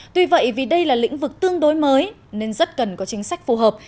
tuy vậy vì đây là lĩnh vực tương đối mới nên rất cần có chính sách phù hợp